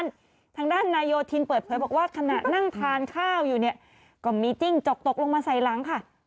ทางด้านนายโยธินเปิดเผยบอกว่าขณะนั่งทานข้าวอยู่เนี่ยก็มีจิ้งจกตกลงมาใส่หลังค่ะ